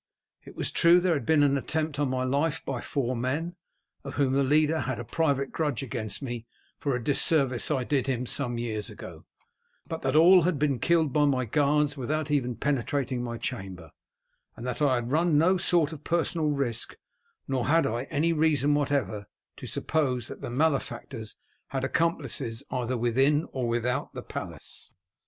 It was true that there had been an attempt on my life by four men, of whom the leader had a private grudge against me for a disservice I did him some years ago, but that all had been killed by my guards without even penetrating my chamber, and that I had run no sort of personal risk, nor had I any reason whatever to suppose that the malefactors had accomplices either within or without the palace."